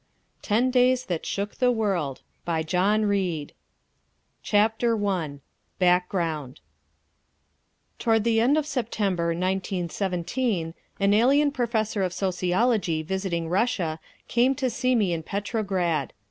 Ten Days That Shook The World Chapter I Background Toward the end of September, 1917, an alien Professor of Sociology visiting Russia came to see me in Petrograd.